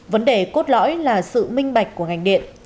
vấn đề cốt lõi là sự minh bạch của ngành điện